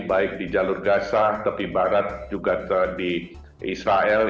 baik di jalur gaza tepi barat juga di israel